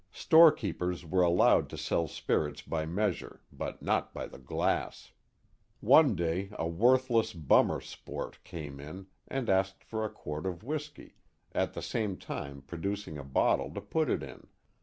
Storekeepers were allowed to sell spirits by measure, but not by the glass. One day a worthless bummer sport came in and asked for a quart of whiskey, at the same time producing a bottle to put it in.